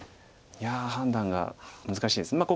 いや判断が難しいです。